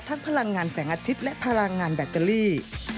พลังงานแสงอาทิตย์และพลังงานแบตเตอรี่